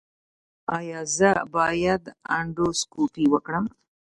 ایا زه باید اندوسکوپي وکړم؟